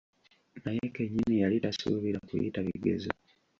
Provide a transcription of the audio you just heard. Naye kennyini yali tasuubira kuyita bigezo!